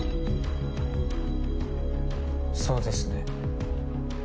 そうですね。